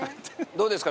どうですか？